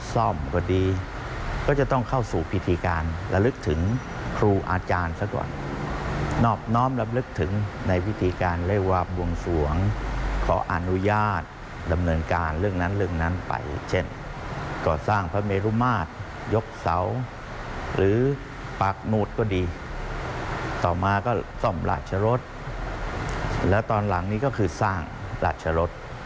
สมพระเกียรตามโบราณราชประเพณีทุกประการ